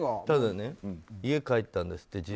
ただ、家帰ったんですって。